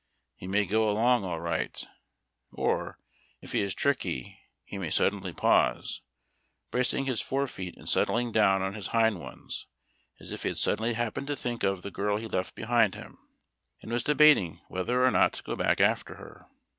He may go along all right, or, if he is tricky, he may sud denly pause, bracing his forefeet and settling down on his hind ones, as if he had suddenly happened to think of the girl he left behind him, and was debating whether or not to go back after her.